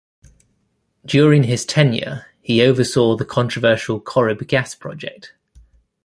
During his tenure he oversaw the controversial Corrib gas project.